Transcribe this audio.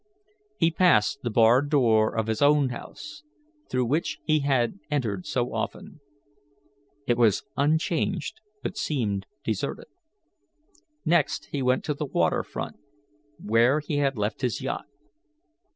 He passed the barred door of his own house, through which he had entered so often. It was unchanged, but seemed deserted. Next, he went to the water front, where he had left his yacht.